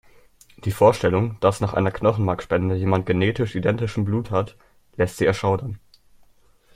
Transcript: Die Vorstellung, dass nach einer Knochenmarkspende jemand genetisch identischen Blut hat, lässt sie erschaudern.